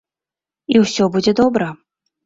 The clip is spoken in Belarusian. І ўсё добра будзе.